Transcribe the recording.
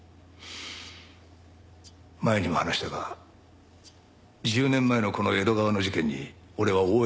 前にも話したが１０年前のこの江戸川の事件に俺は応援として加わっていた。